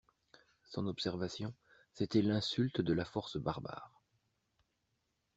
Son observation, c'était l'insulte de la force barbare.